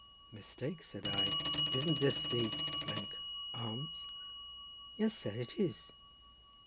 "Mistake," said I. "Isn't this the — Arms?" "Yes, sir, it is."